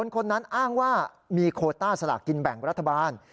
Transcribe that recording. คนนั้นอ้างว่ามีโคต้าสลากกินแบ่งรัฐบาล